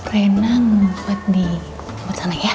rena mumpet di tempat sana ya